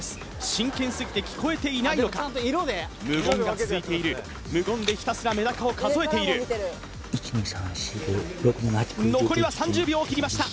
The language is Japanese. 真剣すぎて聞こえていないのか無言が続いている無言でひたすらメダカを数えている１２３４５６７８９１０残りは３０秒を切りました